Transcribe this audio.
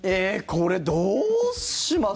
これ、どうします？